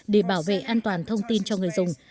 để bảo vệ an toàn thông tin cho người dùng